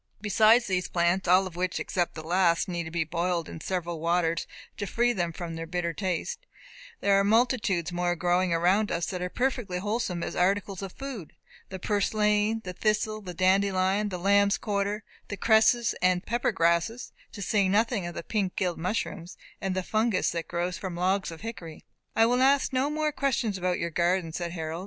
Beside these plants (all of which, except the last, need to be boiled in several waters to free them from their bitter taste), there are multitudes more growing around us that are perfectly wholesome as articles of food the purslain, the thistle, the dandelion, the lambsquarter, the cresses and pepper grasses, to say nothing of the pink gilled mushrooms, and the fungus that grows from logs of hickory." "I will ask no more questions about your garden," said Harold.